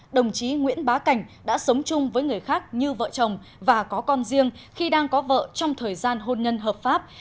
đồng chí nguyễn bá cảnh đã sống chung với người khác như vợ chồng và có con riêng khi đang có vợ trong thời gian hôn nhân hợp pháp